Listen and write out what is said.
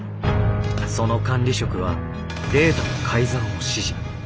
その管理職はデータの改ざんを指示。